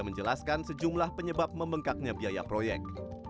menjelaskan sejumlah penyebab membengkaknya biaya proyek